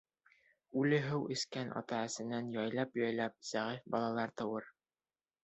Үле һыу эскән ата-әсәнән яйлап-яйлап зәғиф балалар тыуыр.